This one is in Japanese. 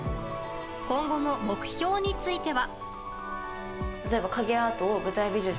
今後の目標については。